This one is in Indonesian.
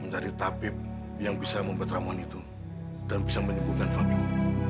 menjadi tapib yang bisa membuat ramuan itu dan bisa menyembuhkan famimu